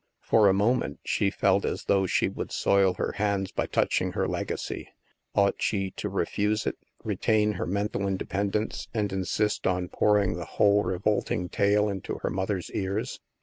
For a moment she felt as though she would soil her hands by touching her legacy; ought she to refuse it, retain her mental independence, and insist on pouring the whole revolting tale into her mother's ears?